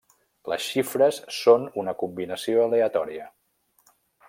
Les xifres són una combinació aleatòria.